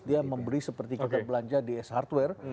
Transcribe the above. dia memberi seperti kita belanja di s hardware